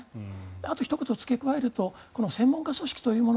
あとひと言付け加えるとこの専門家組織というもの